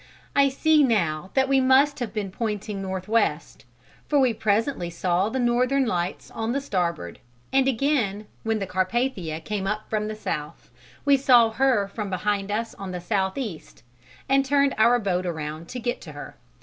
I see now that we must have been pointing northwest, for we presently saw the Northern Lights on the starboard, and again, when the Carpathia came up from the south, we saw her from behind us on the southeast, and turned our boat around to get to her.